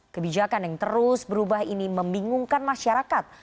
kebijakan yang terus berubah ini membingungkan masyarakat